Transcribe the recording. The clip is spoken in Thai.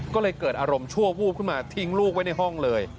ก็เลยเกิดอารมณ์ชั่ววูบขึ้นมาทิ้งลูกไว้ในห้องเลย